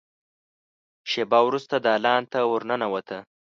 شېبه وروسته دالان ته ور ننوته.